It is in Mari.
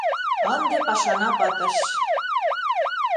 Ынде пашана пытыш...